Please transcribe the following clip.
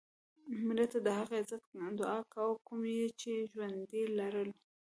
مړه ته د هغه عزت دعا کوو کوم یې چې ژوندی لرلو